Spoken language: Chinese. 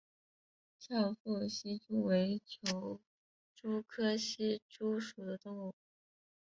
翘腹希蛛为球蛛科希蛛属的动物。